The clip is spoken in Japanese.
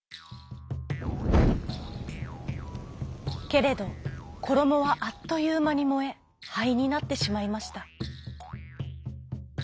けれどころもはあっというまにもえはいになってしまいました。